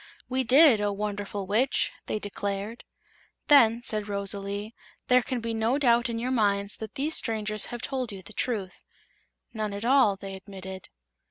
"We did, O Wonderful Witch!" they declared. "Then," said Rosalie, "there can be no doubt in your minds that these strangers have told you the truth." "None at all," they admitted.